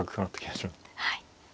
はい。